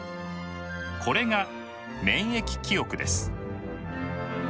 これが「免疫記憶」です。